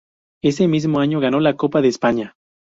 Ese mismo año ganó la Copa de España.